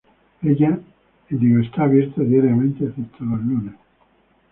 Está abierto diariamente excepto los lunes.